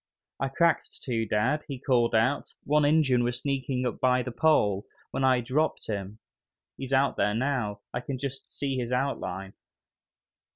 "I cracked two, dad!" he called out, "one Injun was sneaking up by the pole, when I dropped him; he's out there now, I can just see his outline."